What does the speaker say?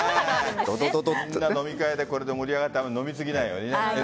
みんな、飲み会で盛り上がって飲み過ぎないようにね。